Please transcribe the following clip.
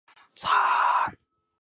不再独自徬惶